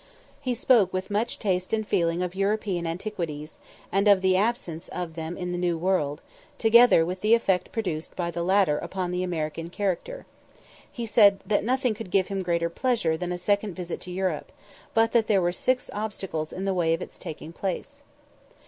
He spoke with much taste and feeling of European antiquities, and of the absence of them in the New World, together with the effect produced by the latter upon the American character. He said that nothing could give him greater pleasure than a second visit to Europe, but that there were "six obstacles in the way of its taking place."